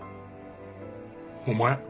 お前。